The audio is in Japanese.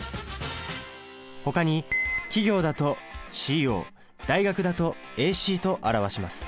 ほかに企業だと「ｃｏ」大学だと「ａｃ」と表します。